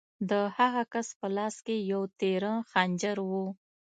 د هغه کس په لاس کې یو تېره خنجر و